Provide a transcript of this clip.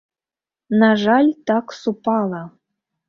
На жаль, так супала.